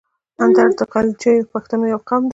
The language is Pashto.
اندړ د غلجیو پښتنو یو قوم ده.